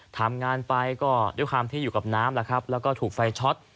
ทำงานไปก็ด้วยความที่อยู่กับน้ำแล้วครับแล้วก็ถูกไฟช็อต